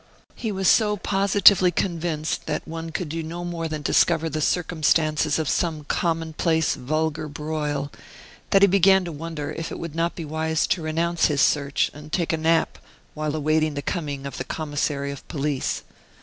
He was so positively convinced that one could do no more than discover the circumstances of some commonplace, vulgar broil, that he began to wonder if it would not be wise to renounce his search and take a nap, while awaiting the coming of the commissary of police.